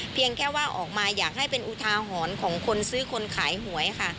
เพียงแค่ว่าออกมาอยากให้เป็นอุทาหรณ์ของคนซื้อคนขายหวยค่ะ